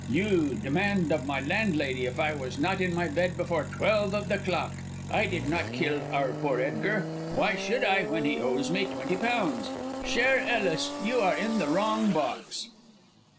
_ You demand of my landlady if I was not in my bed before twelve of the clock. I did not kill our poor Edgar. Why should I when he owes me twenty pounds? Cher Ellis, you are in the wrong box."